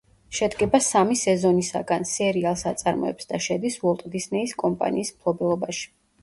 შედგება სამი სეზონისაგან, სერიალს აწარმოებს და შედის უოლტ დისნეის კომპანიის მფლობელობაში.